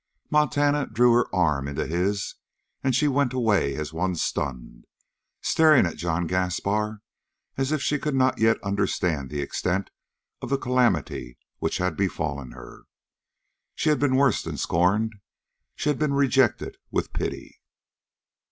Montana drew her arm into his, and she went away as one stunned, staring at John Gaspar as if she could not yet understand the extent of the calamity which had befallen her. She had been worse than scorned. She had been rejected with pity!